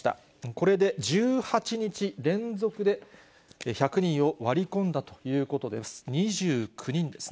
これで１８日連続で１００人を割り込んだということです。